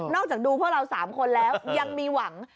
จากดูพวกเรา๓คนแล้วยังมีหวัง